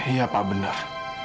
iya pak benar